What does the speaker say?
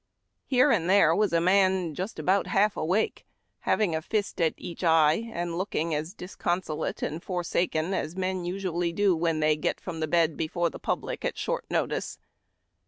Here and there was a man just about half awake. FALL IN FOR ROLL CALL. having a fist at each eye, and looking as disconsolate and forsaken as men usually do when they get from the bed before the public at short notice.